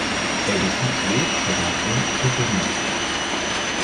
Elle est située près d'un pont piétonnier.